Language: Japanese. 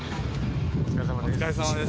お疲れさまです。